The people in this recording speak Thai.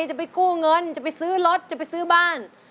จะไปกู้เงินจะไปซื้อรถจะไปซื้อบ้าน